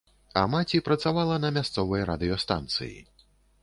А маці працавала на мясцовай радыёстанцыі.